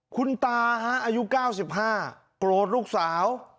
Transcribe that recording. คุณตาอายุ๙๕โกรธลูกสาว